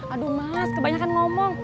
aduh mas kebanyakan ngomong